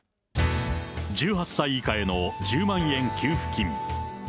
１８歳以下への１０万円給付金。